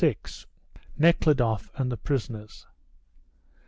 NEKHLUDOFF AND THE PRISONERS.